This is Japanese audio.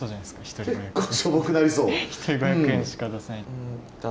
一人５００円しか出せない。